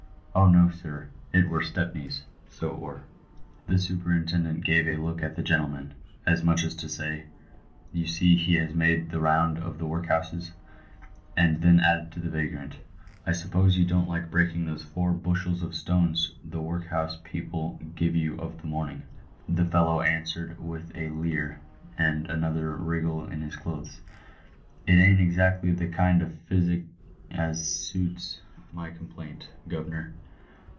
Oh, no, sir, it were Stepney, so it were." The superintendent gave a look at the gentlemen, as much as to say, " You see he has made the round of the workhouses ;" and then added to the vagrant, " I suppose you don't like breaking those four bushels of stones the workhouse people give you of a morn ing ?" The fellow answered with a leer, and another wriggle in his clothes, " It ain't exactly the kind of physic as suits my complaint, guv'nor."